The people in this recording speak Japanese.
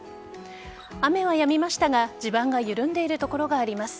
雨はやみましたが地盤が緩んでいる所があります。